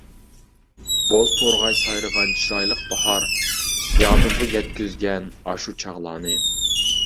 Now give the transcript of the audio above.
بوز تورغاي سايرىغان چىرايلىق باھار، يادىمغا يەتكۈزگەن ئاشۇ چاغلارنى.